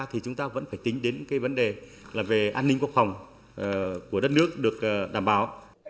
thì chúng ta vẫn phải tính đến cái vấn đề là về an ninh quốc phòng của đất nước được đảm bảo